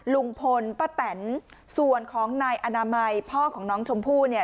ลุงพลป้าแตนส่วนของนายอนามัยพ่อของน้องชมพู่เนี่ย